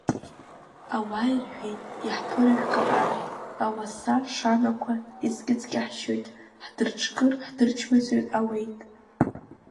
Ауаа ирҳәеит иаҳԥырыжәга арҭ ауаса шанақәа иҵкьыҵкьаҳшьоит ҳдырҿкыр, ҳдырчмазаҩыр ауеит.